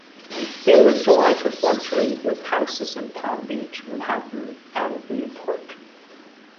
They lived a life of luxury, with houses in Palm Beach, Manhattan, and Newport.